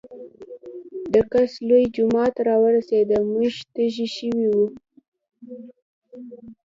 د کڅ لوے جومات راورسېدۀ مونږ تږي شوي وو